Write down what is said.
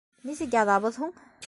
— Нисек яҙабыҙ һуң?